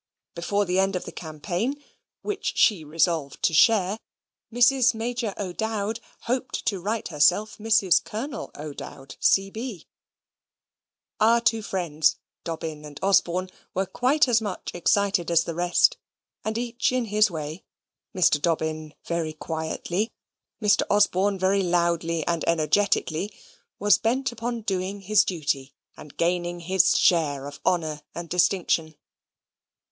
Before the end of the campaign (which she resolved to share), Mrs. Major O'Dowd hoped to write herself Mrs. Colonel O'Dowd, C.B. Our two friends (Dobbin and Osborne) were quite as much excited as the rest: and each in his way Mr. Dobbin very quietly, Mr. Osborne very loudly and energetically was bent upon doing his duty, and gaining his share of honour and distinction.